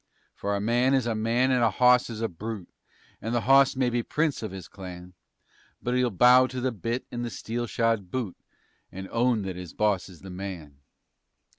For a man is a man and a hawse is a brute, And the hawse may be prince of his clan But he'll bow to the bit and the steel shod boot _And own that his boss is the man.